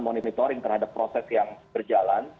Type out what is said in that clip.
monitoring terhadap proses yang berjalan